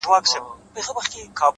پوهه د تعصب دیوالونه نړوي.!